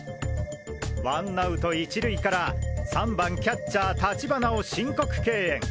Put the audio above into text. ワンアウト１塁から３番キャッチャー立花を申告敬遠！